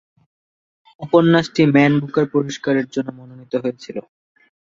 উপন্যাসটি "Man Booker পুরস্কার" এর জন্য মনোনীত হয়েছিল।